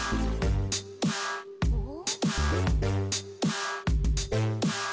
うん？